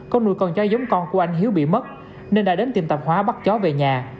con nuôi con chó giống con của anh hiếu bị mất nên đã đến tìm tạp hóa bắt chó về nhà